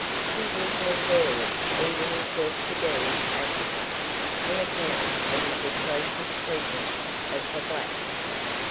He was notorious even in Portuguese Africa on account of his atrocious treatment of the blacks.